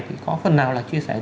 thì có phần nào là chia sẻ